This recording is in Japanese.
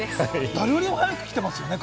誰より早く来てますね。